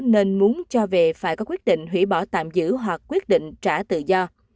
nên muốn cho về phải có quyết định hủy bỏ tạm giữ hoặc quyết định trả tự do